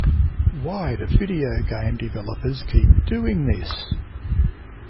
Why do video game developers keep doing this?